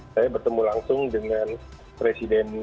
saya bertemu langsung dengan presiden